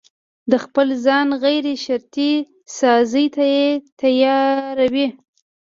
د خپل ځان غيرشرطي سازي ته يې تياروي.